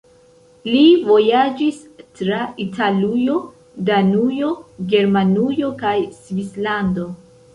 Li vojaĝis tra Italujo, Danujo, Germanujo kaj Svislando.